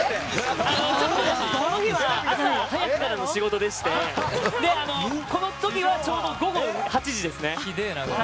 この日は朝早くからの仕事でしてこの時はちょうど午後８時ですね。